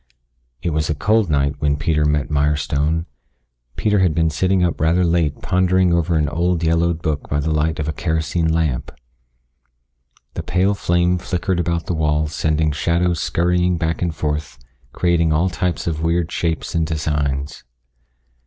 It was a cold night when Peter met Mirestone. Peter had been sitting up rather late pondering over an old, yellowed book by the light of a kerosene lamp. The pale flame flickered about the walls sending shadows scurrying back and forth creating all types of weird shapes and designs.